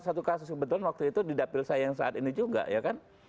satu kasus kebetulan waktu itu di dapil saya yang saat ini juga ya kan